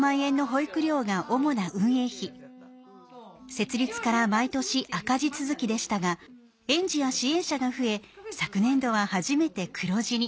設立から毎年赤字続きでしたが園児や支援者が増え昨年度は初めて黒字に。